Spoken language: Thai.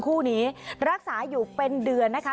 คู่นี้รักษาอยู่เป็นเดือนนะคะ